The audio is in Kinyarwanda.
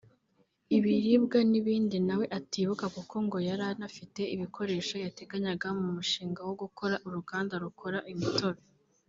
ibiribwa n’ibindi nawe atibuka kuko ngo yari anafite ibikoresho yateganyaga mu mushinga wo gukora uruganda rukora imitobe